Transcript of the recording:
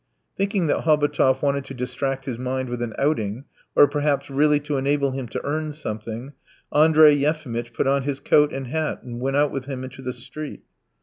Thinking that Hobotov wanted to distract his mind with an outing, or perhaps really to enable him to earn something, Andrey Yefimitch put on his coat and hat, and went out with him into the street.